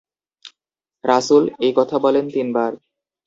রাসুল এই কথা বলেন তিনবার।